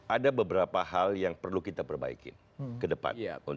ada beberapa hal yang perlu kita perbaikin ke depan